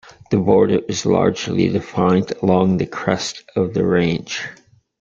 The border is largely defined along the crest of the range.